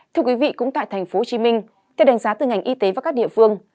thưa quý vị cũng tại tp hcm theo đánh giá từ ngành y tế và các địa phương